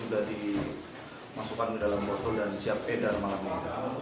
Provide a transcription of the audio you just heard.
dan disiapkan dalam malam